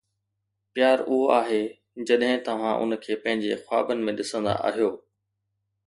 پيار اهو آهي جڏهن توهان ان کي پنهنجي خوابن ۾ ڏسندا آهيو.